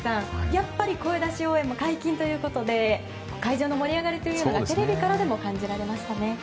やっぱり声出し応援も解禁ということで会場の盛り上がりというのがテレビからでも感じられましたね。